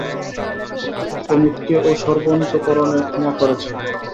অমিতকে ও সর্বান্তঃকরণে ক্ষমা করেছে।